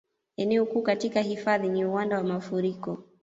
Eneo kuu katika hifadhi ni uwanda wa mafuriko